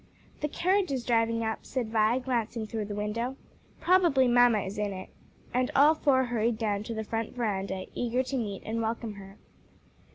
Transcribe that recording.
"The carriage is driving up," said Vi, glancing through the window; "probably mamma is in it," and all four hurried down to the front veranda eager to meet and welcome her.